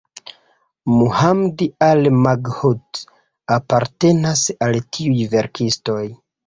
Mohamed Al-Maghout apartenas al tiuj verkistoj.